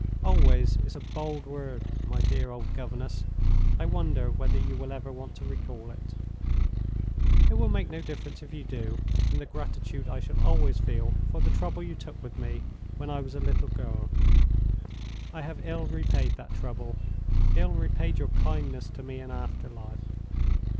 _ 'Always' is a bold word, my dear old governess! I wonder whether you will ever want to recall it? It will make no difference if you do, in the gratitude I shall always feel for the trouble you took with me when I was a little girl. I have ill repaid that trouble—ill repaid your kindness to me in after life.